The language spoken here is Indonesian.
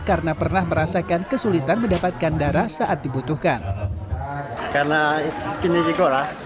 karena pernah merasakan kesulitan mendapatkan darah saat dibutuhkan karena kini juga lah